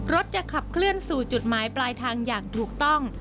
จะขับเคลื่อนสู่จุดหมายปลายทางอย่างถูกต้อง